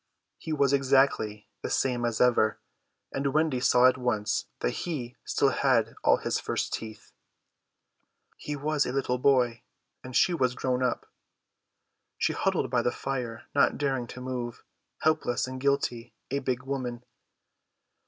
He was exactly the same as ever, and Wendy saw at once that he still had all his first teeth. He was a little boy, and she was grown up. She huddled by the fire not daring to move, helpless and guilty, a big woman.